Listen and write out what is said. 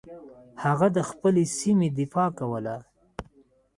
هغه د خپلې سیمې دفاع کوله.